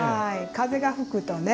風が吹くとね